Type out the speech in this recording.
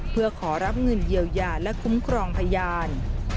เพื่อขอรับเงินเยียวยาและคุ้มครองพยาน